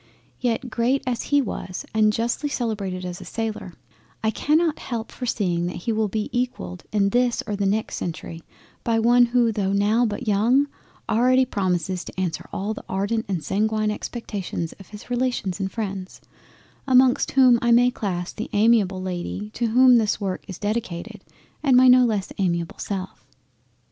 Yet great as he was, and justly celebrated as a sailor, I cannot help foreseeing that he will be equalled in this or the next Century by one who tho' now but young, already promises to answer all the ardent and sanguine expectations of his Relations and Freinds, amongst whom I may class the amiable Lady to whom this work is dedicated, and my no less amiable self.